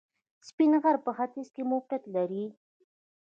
سپین غر په ختیځ کې موقعیت لري